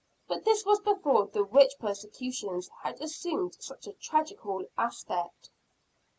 But this was before the witch persecutions had assumed such a tragical aspect.